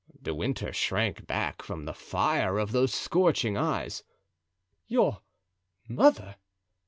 De Winter shrank back from the fire of those scorching eyes. "Your mother?"